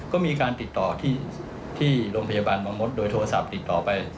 ก็มีการติดต่อที่โรงพยาบาลบางมดโดยโทรศัพท์ติดต่อไป